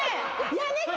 やめて。